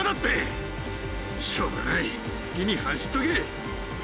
しょうがない好きに走っとけ。